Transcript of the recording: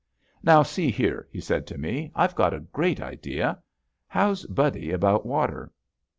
"Now see here," he said to me; "I've got a great idea. How's Buddy about water?"